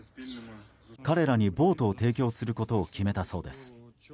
彼らにボートを提供することを決めたそうです。